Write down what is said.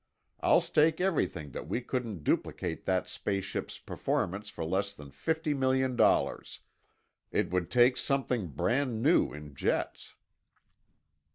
I'll stake everything that we couldn't duplicate that space ship's performance for less than fifty million dollars. It would take something brand new in jets."